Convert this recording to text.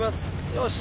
よし！